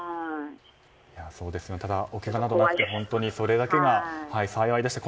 ただ、おけがなどなくてそれだけが幸いでした。